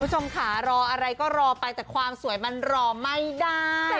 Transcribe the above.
คุณผู้ชมค่ะรออะไรก็รอไปแต่ความสวยมันรอไม่ได้